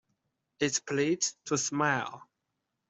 It's polite to smile.